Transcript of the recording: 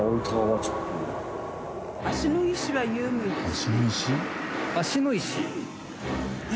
芦野石？